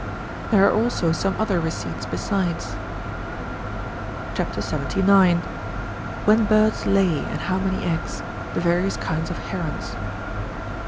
There are also some other receipts besides. CHAP. 79. (58.) WHEX BIRDS LAY, AND HOW MANY EGGS. THE VARIOUS KINDS OF HERONS.